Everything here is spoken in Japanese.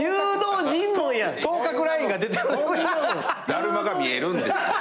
だるまが見えるんです。